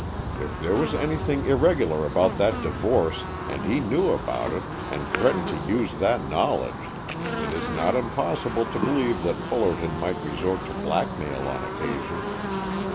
If there was anything irregular about that divorce and he knew about it, and threatened to use that knowledge It is not impossible to believe that Fullerton might resort to blackmail on occasion.